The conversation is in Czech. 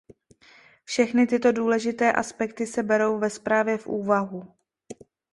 Všechny tyto důležité aspekty se berou ve zprávě v úvahu.